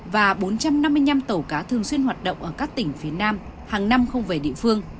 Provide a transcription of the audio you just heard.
và bốn trăm năm mươi năm tàu cá thường xuyên hoạt động ở các tỉnh phía nam hàng năm không về địa phương